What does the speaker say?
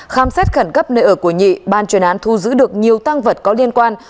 khám xét khẩn cấp nơi ở của nhị ban chuyên án thu giữ được nhiều tăng vật có liên quan